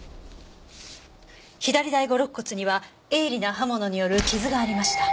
左第五肋骨には鋭利な刃物による傷がありました。